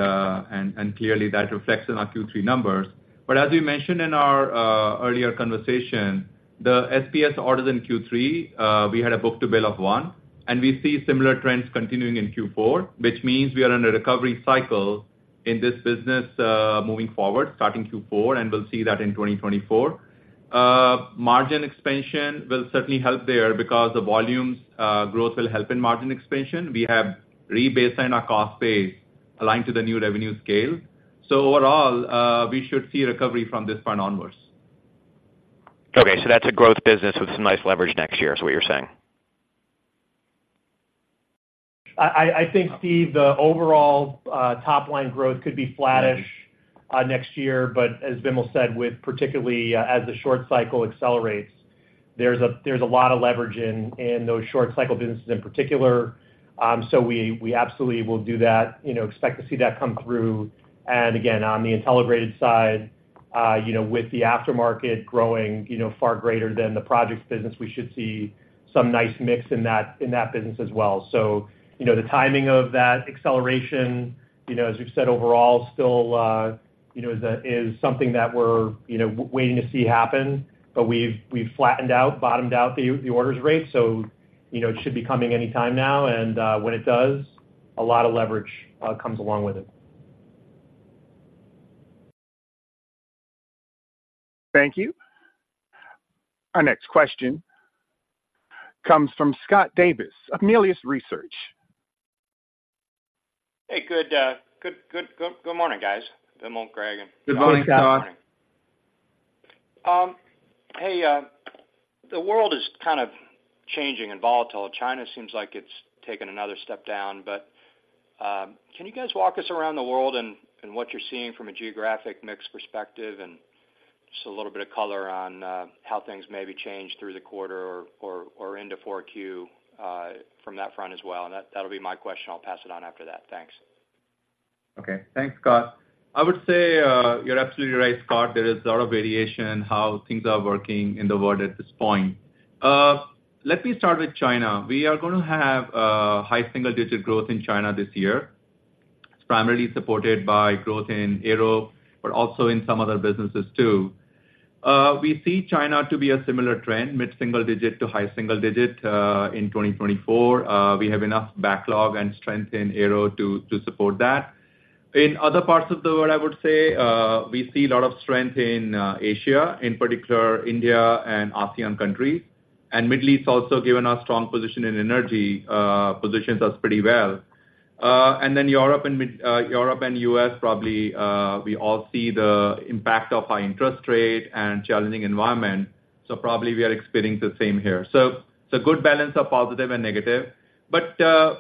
S3: and clearly that reflects in our Q3 numbers. But as we mentioned in our earlier conversation, the SPS orders in Q3, we had a book-to-bill of 1, and we see similar trends continuing in Q4, which means we are in a recovery cycle in this business, moving forward, starting Q4, and we'll see that in 2024. Margin expansion will certainly help there because the volumes growth will help in margin expansion. We have rebased on our cost base aligned to the new revenue scale. So overall, we should see recovery from this point onwards.
S7: Okay, so that's a growth business with some nice leverage next year, is what you're saying?
S4: I think, Steve, the overall top line growth could be flattish next year, but as Vimal said, with particularly as the short cycle accelerates, there's a lot of leverage in those short cycle businesses in particular. So we absolutely will do that, you know, expect to see that come through. And again, on the Intelligrated side, you know, with the aftermarket growing, you know, far greater than the projects business, we should see some nice mix in that business as well. So, you know, the timing of that acceleration, you know, as you've said, overall still you know is something that we're waiting to see happen, but we've flattened out, bottomed out the orders rate. So, you know, it should be coming any time now, and when it does, a lot of leverage comes along with it.
S1: Thank you. Our next question comes from Scott Davis of Melius Research.
S8: Hey, good morning, guys. Morning, Greg.
S3: Good morning, Scott.
S8: Hey, the world is kind of changing and volatile. China seems like it's taken another step down, but can you guys walk us around the world and what you're seeing from a geographic mix perspective, and just a little bit of color on how things maybe changed through the quarter or into 4Q from that front as well? And that'll be my question. I'll pass it on after that. Thanks.
S3: Okay, thanks, Scott. I would say you're absolutely right, Scott. There is a lot of variation in how things are working in the world at this point. Let me start with China. We are gonna have high single-digit growth in China this year. It's primarily supported by growth in Aero, but also in some other businesses too. We see China to be a similar trend, mid-single-digit to high single-digit, in 2024. We have enough backlog and strength in Aero to support that. In other parts of the world, I would say we see a lot of strength in Asia, in particular India and ASEAN countries, and Middle East, also, given our strong position in energy, positions us pretty well. And then Europe and US, probably, we all see the impact of high interest rate and challenging environment, so probably we are experiencing the same here. So it's a good balance of positive and negative. But,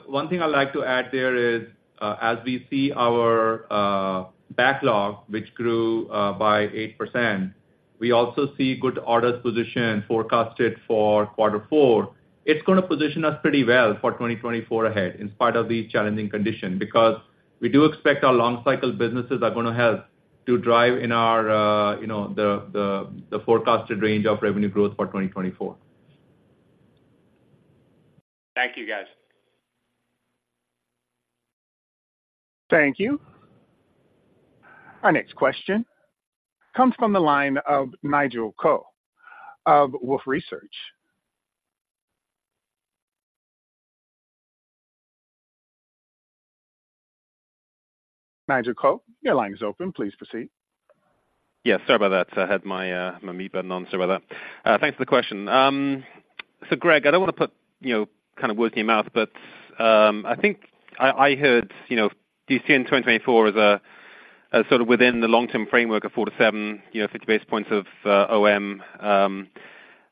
S3: one thing I'd like to add there is, as we see our backlog, which grew by 8%, we also see good orders position forecasted for quarter four. It's gonna position us pretty well for 2024 ahead, in spite of the challenging condition, because we do expect our long cycle businesses are gonna help to drive in our, you know, the forecasted range of revenue growth for 2024.
S4: Thank you, guys.
S1: Thank you. Our next question comes from the line of Nigel Coe of Wolfe Research. Nigel Coe, your line is open. Please proceed.
S5: Yeah, sorry about that. I had my, my mute button on. Sorry about that. Thanks for the question. So, Greg, I don't wanna put, you know, kind of words in your mouth, but, I think I, I heard, you know, you see in 2024 as a, as sort of within the long-term framework of 4-7, you know, 50 basis points of, OM.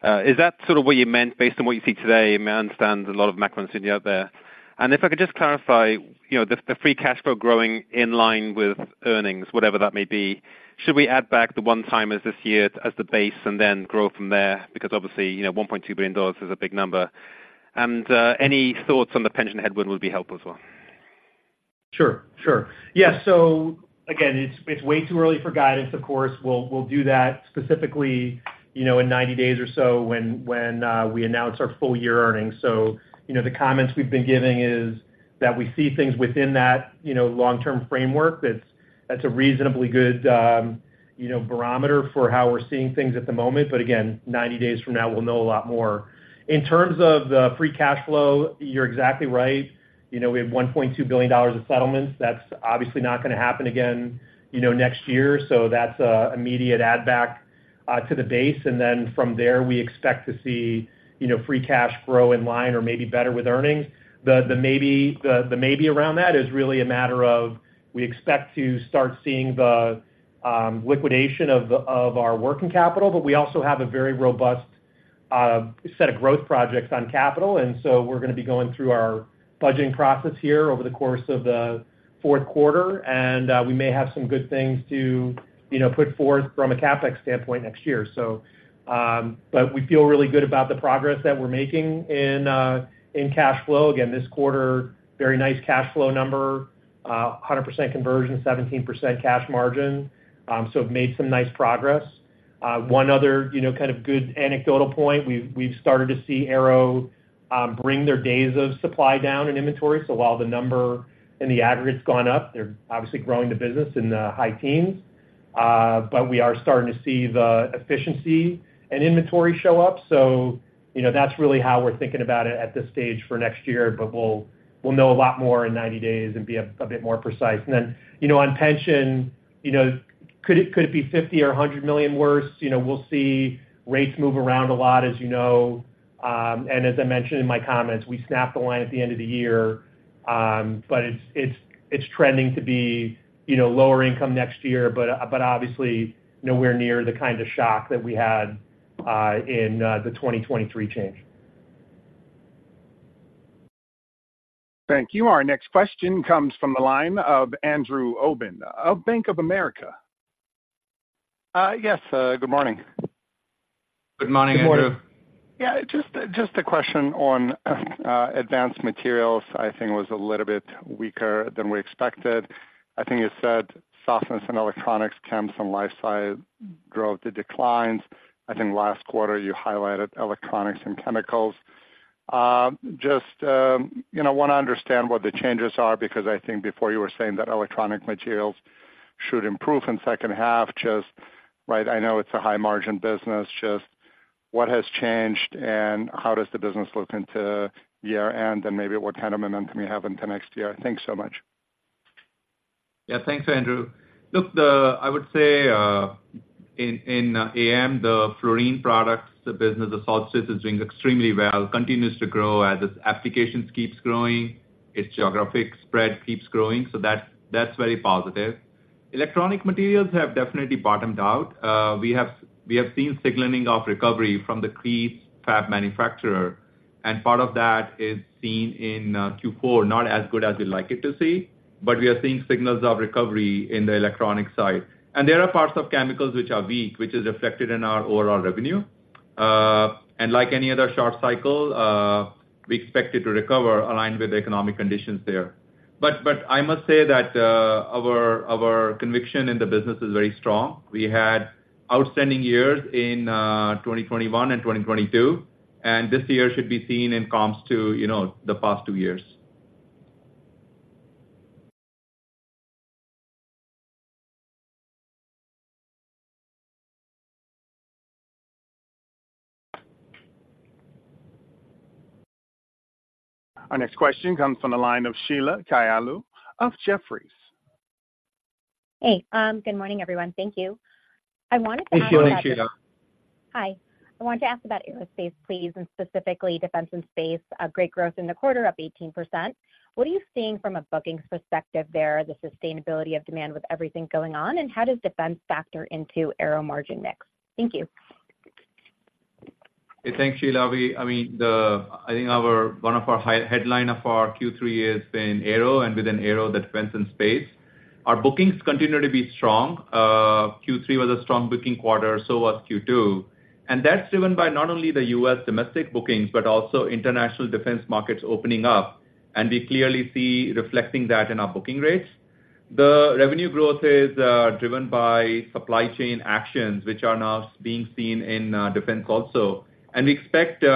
S5: Is that sort of what you meant, based on what you see today? I understand there's a lot of macro uncertainty out there. And if I could just clarify, you know, the, the free cash flow growing in line with earnings, whatever that may be, should we add back the one-timers this year as the base and then grow from there? Because obviously, you know, $1.2 billion is a big number. Any thoughts on the pension headwind would be helpful as well.
S4: Sure, sure. Yeah, so again, it's, it's way too early for guidance, of course. We'll, we'll do that specifically, you know, in 90 days or so when, when we announce our full year earnings. So, you know, the comments we've been giving is that we see things within that, you know, long-term framework. That's, that's a reasonably good, you know, barometer for how we're seeing things at the moment. But again, 90 days from now, we'll know a lot more. In terms of the free cash flow, you're exactly right. You know, we have $1.2 billion of settlements. That's obviously not gonna happen again, you know, next year. So that's a immediate add back to the base. And then from there, we expect to see, you know, free cash flow in line or maybe better with earnings. Maybe around that is really a matter of, we expect to start seeing the liquidation of our working capital, but we also have a very robust set of growth projects on capital. So we're gonna be going through our budgeting process here over the course of the fourth quarter, and we may have some good things to, you know, put forth from a CapEx standpoint next year, so. But we feel really good about the progress that we're making in cash flow. Again, this quarter, very nice cash flow number, 100% conversion, 17% cash margin. So it made some nice progress. One other, you know, kind of good anecdotal point, we've started to see Aero bring their days of supply down in inventory. So while the number in the aggregate's gone up, they're obviously growing the business in the high teens. But we are starting to see the efficiency and inventory show up. So, you know, that's really how we're thinking about it at this stage for next year, but we'll, we'll know a lot more in 90 days and be a bit more precise. And then, you know, on pension, you know, could it, could it be $50 million or $100 million worse? You know, we'll see. Rates move around a lot, as you know, and as I mentioned in my comments, we snap the line at the end of the year. But it's trending to be, you know, lower income next year, but, but obviously nowhere near the kind of shock that we had in the 2023 change.
S1: Thank you. Our next question comes from the line of Andrew Obin of Bank of America.
S3: Yes, good morning.
S4: Good morning, Andrew.
S9: Good morning. Yeah, just, just a question on advanced materials. I think it was a little bit weaker than we expected. I think you said softness in Electronics, Chem and Life Sci drove the declines. I think last quarter you highlighted electronics and chemicals. Just, you know, wanna understand what the changes are, because I think before you were saying that electronic materials should improve in second half. Just, right, I know it's a high margin business. Just what has changed, and how does the business look into year-end? And maybe what kind of momentum you have into next year. Thanks so much....
S3: Yeah, thanks, Andrew. Look, I would say in AM, the fluorine products, the business of Solstice is doing extremely well, continues to grow as its applications keeps growing, its geographic spread keeps growing, so that's very positive. Electronic materials have definitely bottomed out. We have seen signaling of recovery from the key fab manufacturers, and part of that is seen in Q4. Not as good as we'd like it to see, but we are seeing signals of recovery in the electronic side. And there are parts of chemicals which are weak, which is affected in our overall revenue. And like any other short cycle, we expect it to recover aligned with the economic conditions there. But I must say that our conviction in the business is very strong. We had outstanding years in 2021 and 2022, and this year should be seen in comps to, you know, the past two years.
S1: Our next question comes from the line of Sheila Kahyaoglu of Jefferies.
S10: Hey, good morning, everyone. Thank you. I wanted to ask-
S3: Good morning, Sheila.
S10: Hi. I wanted to ask about aerospace, please, and specifically defense and space. A great growth in the quarter, up 18%. What are you seeing from a bookings perspective there, the sustainability of demand with everything going on? And how does defense factor into aero margin mix? Thank you.
S3: Hey, thanks, Sheila. I mean, I think one of our headline of our Q3 has been aero, and within aero, the defense and space. Our bookings continue to be strong. Q3 was a strong booking quarter, so was Q2, and that's driven by not only the U.S. domestic bookings, but also international defense markets opening up, and we clearly see reflecting that in our booking rates. The revenue growth is driven by supply chain actions, which are now being seen in defense also. And we expect, you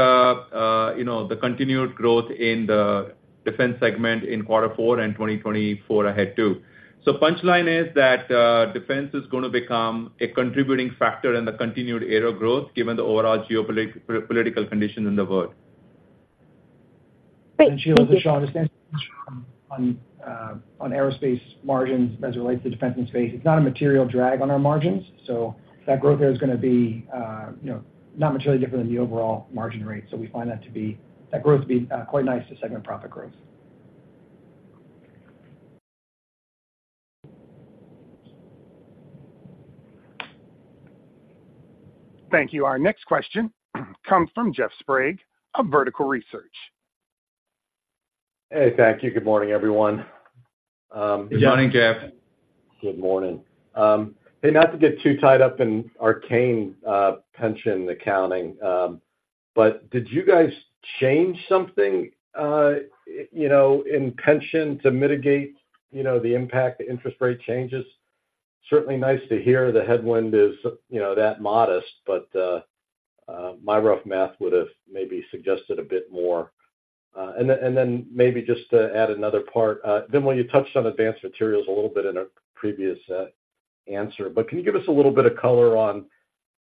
S3: know, the continued growth in the defense segment in quarter four and 2024 ahead, too. So punchline is that, defense is gonna become a contributing factor in the continued aero growth, given the overall geopolitical conditions in the world.
S10: Great. Thank you.
S4: And Sheila, this is Sean on aerospace margins as it relates to defense and space. It's not a material drag on our margins, so that growth there is gonna be, you know, not materially different than the overall margin rate. So we find that to be-- that growth to be quite nice to segment profit growth.
S1: Thank you. Our next question comes from Jeff Sprague of Vertical Research.
S11: Hey, thank you. Good morning, everyone.
S3: Good morning, Jeff.
S11: Good morning. Hey, not to get too tied up in arcane pension accounting, but did you guys change something, you know, in pension to mitigate, you know, the impact of interest rate changes? Certainly nice to hear the headwind is, you know, that modest, but my rough math would have maybe suggested a bit more. And then maybe just to add another part, then when you touched on advanced materials a little bit in a previous answer, but can you give us a little bit of color on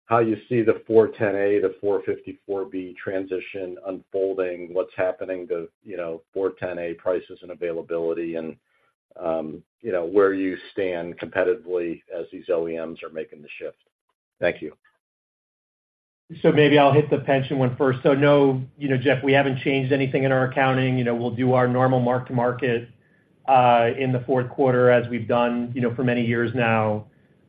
S11: how you see the R-410A to R-454B transition unfolding, what's happening to, you know, R-410A prices and availability, and, you know, where you stand competitively as these OEMs are making the shift? Thank you.
S4: So maybe I'll hit the pension one first. So no, you know, Jeff, we haven't changed anything in our accounting. You know, we'll do our normal mark to market in the fourth quarter as we've done, you know, for many years now.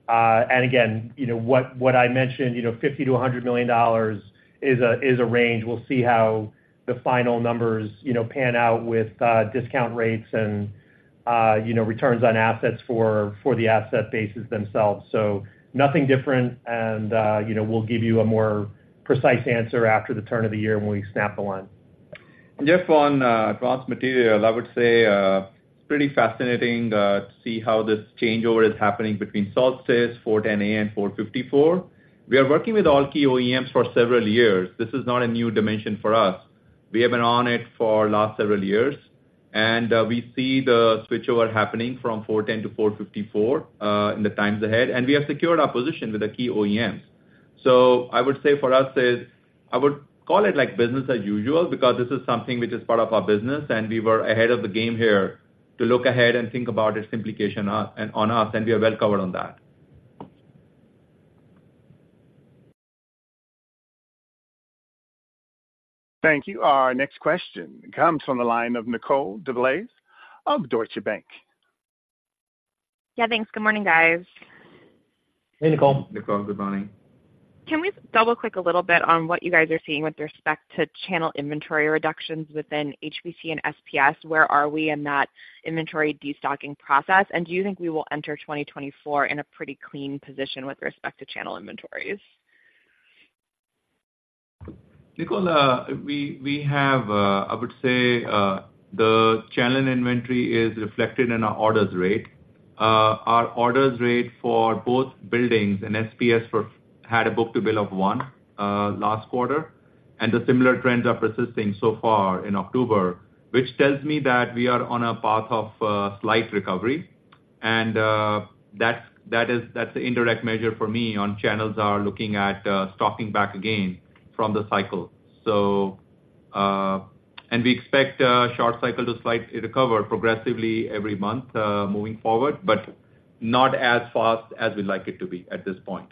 S4: And again, you know, what I mentioned, you know, $50-$100 million is a range. We'll see how the final numbers, you know, pan out with discount rates and, you know, returns on assets for the asset bases themselves. So nothing different, and, you know, we'll give you a more precise answer after the turn of the year when we snap the line.
S3: Jeff, on advanced material, I would say it's pretty fascinating to see how this changeover is happening between Solstice, R-410A and R-454B. We are working with all key OEMs for several years. This is not a new dimension for us. We have been on it for last several years, and we see the switchover happening from R-410A to R-454B in the times ahead, and we have secured our position with the key OEMs. So I would say for us is, I would call it like business as usual, because this is something which is part of our business, and we were ahead of the game here to look ahead and think about its implication on us, and we are well covered on that.
S1: Thank you. Our next question comes from the line of Nicole DeBlase of Deutsche Bank.
S12: Yeah, thanks. Good morning, guys.
S4: Hey, Nicole.
S3: Nicole, good morning.
S12: Can we double-click a little bit on what you guys are seeing with respect to channel inventory reductions within HBT and SPS? Where are we in that inventory destocking process, and do you think we will enter 2024 in a pretty clean position with respect to channel inventories?
S3: Nicole, we have... I would say, the channel inventory is reflected in our orders rate. Our orders rate for both buildings and SPS had a book-to-bill of 1 last quarter, and the similar trends are persisting so far in October, which tells me that we are on a path of slight recovery. And, that's, that is—that's the indirect measure for me on channels are looking at stocking back again from the cycle. And we expect short cycle to slightly recover progressively every month moving forward, but not as fast as we'd like it to be at this point.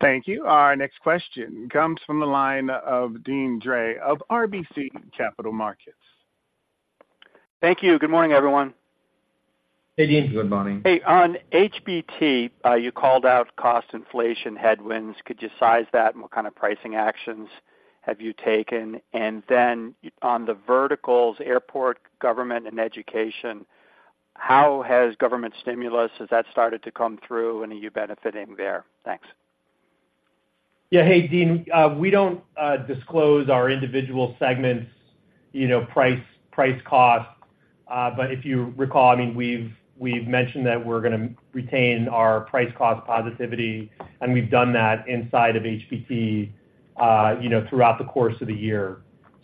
S1: Thank you. Our next question comes from the line of Deane Dray of RBC Capital Markets.
S13: Thank you. Good morning, everyone.
S3: Hey, Dean. Good morning.
S13: Hey, on HBT, you called out cost inflation headwinds. Could you size that? And what kind of pricing actions have you taken? And then on the verticals, airport, government, and education, how has government stimulus, has that started to come through and are you benefiting there? Thanks.
S4: Yeah. Hey, Dean, we don't disclose our individual segments, you know, price cost. But if you recall, I mean, we've mentioned that we're gonna retain our price cost positivity, and we've done that inside of HBT, you know, throughout the course of the year.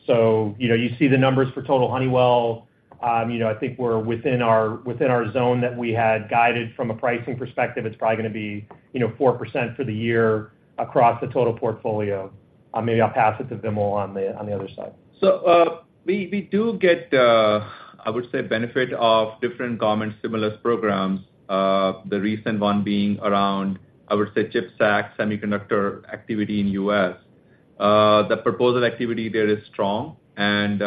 S4: So, you know, you see the numbers for total Honeywell. I think we're within our zone that we had guided from a pricing perspective, it's probably gonna be, you know, 4% for the year across the total portfolio. Maybe I'll pass it to Vimal on the other side.
S3: So, we do get, I would say, benefit of different government stimulus programs, the recent one being around, I would say, CHIPS Act, semiconductor activity in U.S. The proposal activity there is strong, and,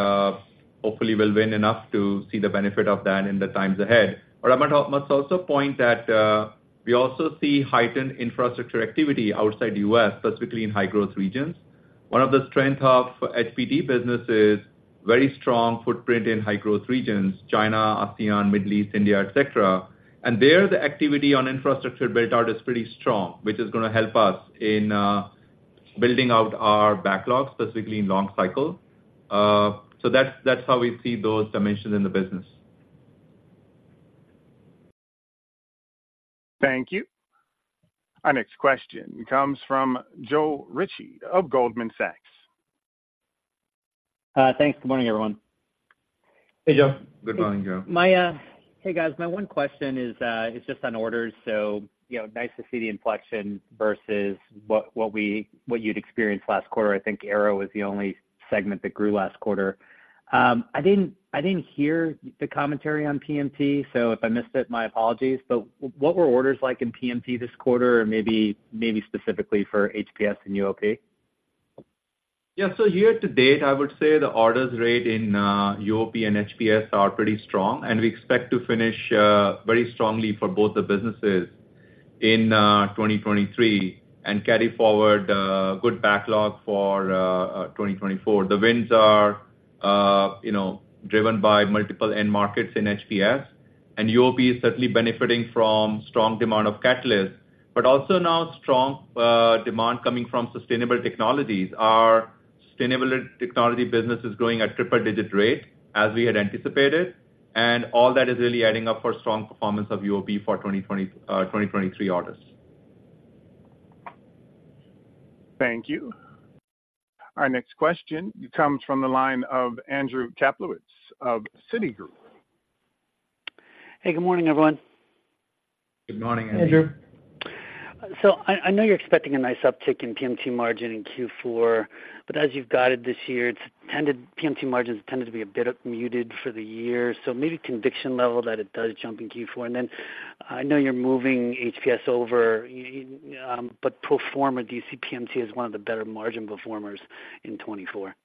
S3: hopefully, we'll win enough to see the benefit of that in the times ahead. But I must also point that, we also see heightened infrastructure activity outside the U.S., specifically in high-growth regions. One of the strength of HBT business is very strong footprint in high-growth regions, China, ASEAN, Middle East, India, et cetera. And there, the activity on infrastructure build-out is pretty strong, which is gonna help us in, building out our backlog, specifically in long cycle. So that's how we see those dimensions in the business.
S1: Thank you. Our next question comes from Joe Ritchie of Goldman Sachs.
S14: Thanks. Good morning, everyone.
S3: Hey, Joe. Good morning, Joe.
S14: Hey, guys. My one question is just on orders, so, you know, nice to see the inflection versus what you'd experienced last quarter. I think Aero was the only segment that grew last quarter. I didn't hear the commentary on PMT, so if I missed it, my apologies. But what were orders like in PMT this quarter or maybe specifically for HPS and UOP?
S3: Yeah. So year to date, I would say the orders rate in UOP and HPS are pretty strong, and we expect to finish very strongly for both the businesses in 2023 and carry forward good backlog for 2024. The wins are, you know, driven by multiple end markets in HPS, and UOP is certainly benefiting from strong demand of catalysts. But also now strong demand coming from sustainable technologies. Our sustainable technology business is growing at triple-digit rate, as we had anticipated, and all that is really adding up for strong performance of UOP for 2023 orders.
S1: Thank you. Our next question comes from the line of Andrew Kaplowitz of Citigroup.
S15: Hey, good morning, everyone.
S3: Good morning, Andrew.
S4: Hey, Andrew.
S15: So I know you're expecting a nice uptick in PMT margin in Q4, but as you've guided this year, it's tended, PMT margins tended to be a bit muted for the year, so maybe conviction level that it does jump in Q4. And then I know you're moving HPS over, but pro forma, do you see PMT as one of the better margin performers in 2024?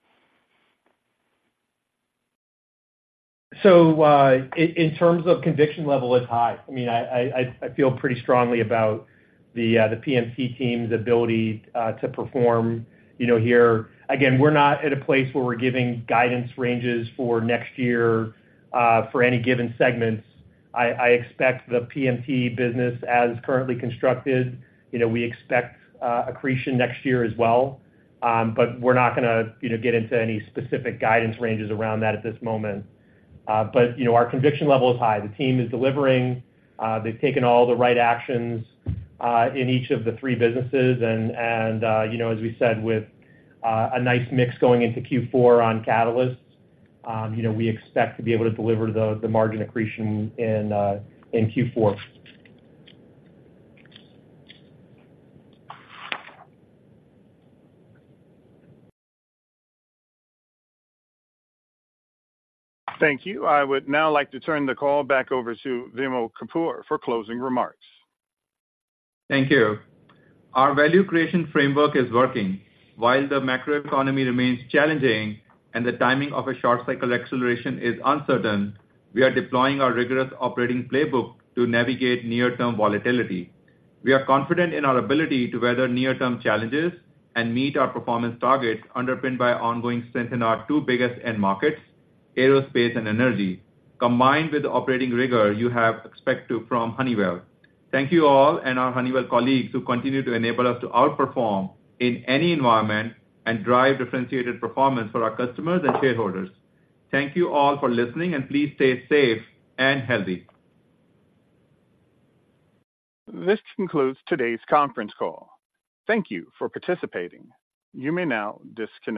S4: In terms of conviction level, it's high. I mean, I feel pretty strongly about the PMT team's ability to perform, you know, here. Again, we're not at a place where we're giving guidance ranges for next year for any given segments. I expect the PMT business, as currently constructed, you know, we expect accretion next year as well. But we're not gonna, you know, get into any specific guidance ranges around that at this moment. But, you know, our conviction level is high. The team is delivering. They've taken all the right actions in each of the three businesses, and you know, as we said, with a nice mix going into Q4 on catalysts, you know, we expect to be able to deliver the margin accretion in Q4.
S1: Thank you. I would now like to turn the call back over to Vimal Kapur for closing remarks.
S3: Thank you. Our value creation framework is working. While the macroeconomy remains challenging and the timing of a short cycle acceleration is uncertain, we are deploying our rigorous operating playbook to navigate near-term volatility. We are confident in our ability to weather near-term challenges and meet our performance targets, underpinned by ongoing strength in our two biggest end markets, aerospace and energy, combined with the operating rigor you have expect to from Honeywell. Thank you all and our Honeywell colleagues who continue to enable us to outperform in any environment and drive differentiated performance for our customers and shareholders. Thank you all for listening, and please stay safe and healthy.
S1: This concludes today's conference call. Thank you for participating. You may now disconnect.